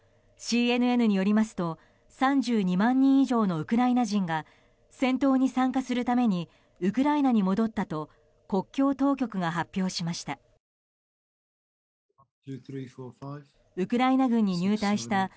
ＣＮＮによりますと３２万人以上のウクライナ人が戦闘に参加するためにウクライナに戻ったと国境当局が発表しました。